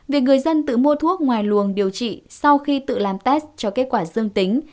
việc người dân tự mua thuốc ngoài luồng điều trị sau khi tự làm test cho kết quả dương tính